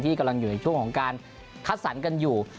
กำลังอยู่ในช่วงของการคัดสรรกันอยู่